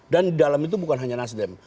dan di dalam itu bukan hanya nasdem